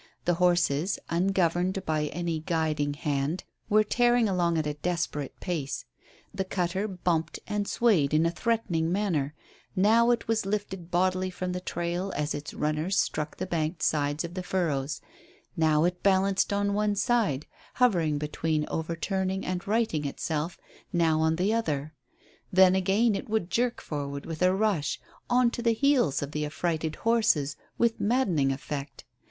The horses, ungoverned by any guiding hand, were tearing along at a desperate pace. The cutter bumped and swayed in a threatening manner; now it was lifted bodily from the trail as its runners struck the banked sides of the furrows; now it balanced on one side, hovering between overturning and righting itself, now on the other; then again it would jerk forward with a rush on to the heels of the affrighted horses with maddening effect.